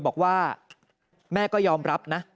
บอกว่าแม่ก็ยอมรับนะ